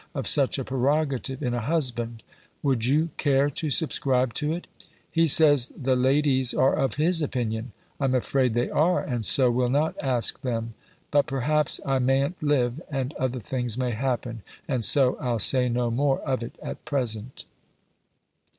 Of such a prerogative in a husband? Would you care to subscribe to it? He says, the ladies are of his opinion. I'm afraid they are, and so will not ask them. But, perhaps, I mayn't live, and other things may happen; and so I'll say no more of it at present.